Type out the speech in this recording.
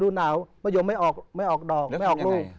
ยกมาอย่างไม่ออกรูป